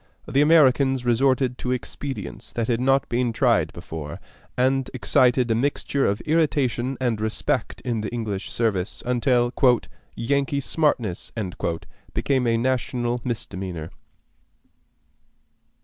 The Americans resorted to expedients that had not been tried before, and excited a mixture of irritation and respect in the English service, until "Yankee smartness" became a national misdemeanor.